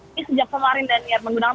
ini sejak kemarin daniar menggunakan